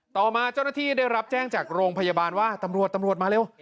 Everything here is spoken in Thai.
ต่อมาเจ้าหน้าที่ได้รับแจ้งจากโรงพยาบาลว่าตำรวจตำรวจมาเร็ว